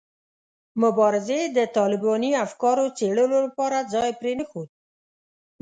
مبارزې د طالباني افکارو څېړلو لپاره ځای پرې نه ښود.